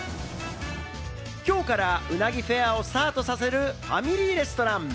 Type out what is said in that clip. きょうからウナギフェアをスタートさせるファミリーレストラン。